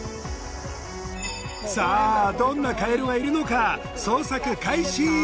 さぁどんなカエルがいるのか捜索開始。